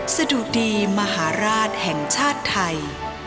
สะดุดีมหาราชแห่งชาติไทย